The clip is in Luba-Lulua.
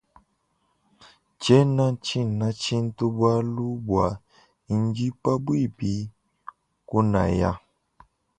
Tshena tshina tshintu bualu bua ndi pabuipi kunaya.